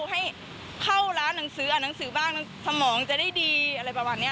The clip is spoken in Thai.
ให้เข้าร้านหนังสืออ่านหนังสือบ้างสมองจะได้ดีอะไรประมาณนี้